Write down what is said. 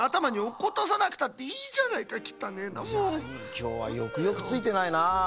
きょうはよくよくついてないなあ。